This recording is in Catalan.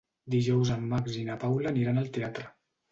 Dijous en Max i na Paula aniran al teatre.